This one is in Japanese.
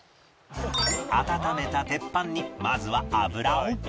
温めた鉄板にまずは油を